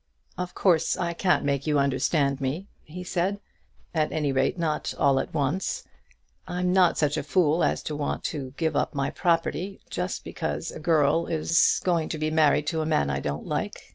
"Of course I can't make you understand me," he said; "at any rate not all at once. I'm not such a fool as to want to give up my property just because a girl is going to be married to a man I don't like.